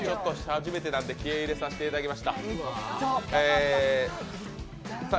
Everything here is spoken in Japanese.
初めてなので気合い入れさせていただきました。